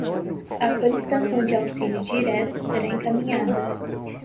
A solicitação de auxílio direto será encaminhada